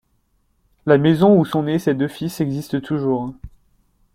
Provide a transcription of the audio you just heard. La maison où sont nés ses deux fils existe toujours.